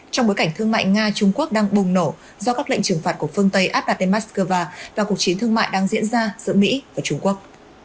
trong bối cảnh thương mại nga trung quốc đang bùng nổ do các lệnh trừng phạt của phương tây áp đặt đến moscow và cuộc chiến thương mại đang diễn ra giữa mỹ và trung quốc